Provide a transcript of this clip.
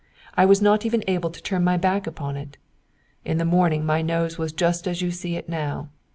I was not even able to turn my back upon it. In the morning my nose was just as you see it now.